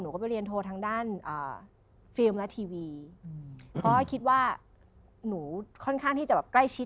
หนูก็ไปเรียนโทว์ทั้งด้านฟิล์มและทีวี